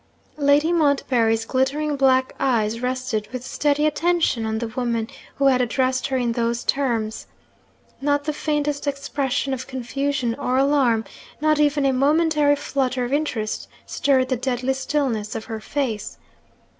Lady Montbarry's glittering black eyes rested with steady attention on the woman who had addressed her in those terms. Not the faintest expression of confusion or alarm, not even a momentary flutter of interest stirred the deadly stillness of her face.